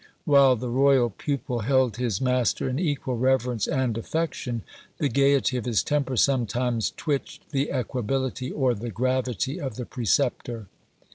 While the royal pupil held his master in equal reverence and affection, the gaiety of his temper sometimes twitched the equability or the gravity of the preceptor.